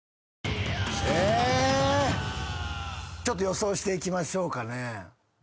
ちょっと予想していきましょうかね。